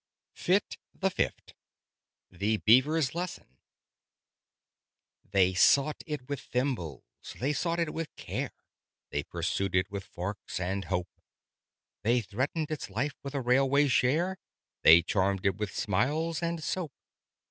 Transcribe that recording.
Fit the Fifth THE BEAVER'S LESSON They sought it with thimbles, they sought it with care; They pursued it with forks and hope; They threatened its life with a railway share; They charmed it with smiles and soap.